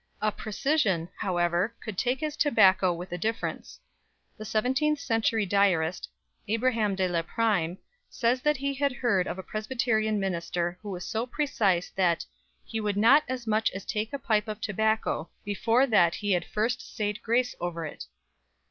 A precisian, however, could take his tobacco with a difference. The seventeenth century diarist, Abraham de la Pryme, says that he had heard of a Presbyterian minister who was so precise that "he would not as much as take a pipe of tobacco before that he had first sayed grace over it."